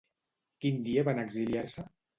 Quin dia van exiliar-se?